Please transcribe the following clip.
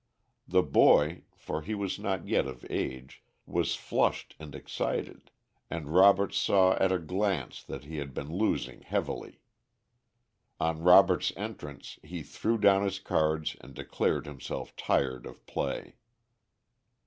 The boy for he was not yet of age was flushed and excited, and Robert saw at a glance that he had been losing heavily. On Robert's entrance he threw down his cards and declared himself tired of play.